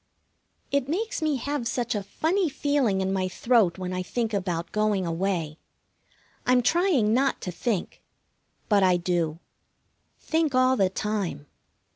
It makes me have such a funny feeling in my throat when I think about going away. I'm trying not to think. But I do. Think all the time.